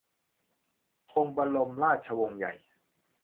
ธงบรมราชวงศ์ใหญ่